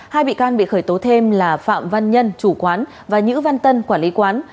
hai bị can bị khởi tố thêm là phạm văn nhân chủ quán và nhữ văn tân quản lý quán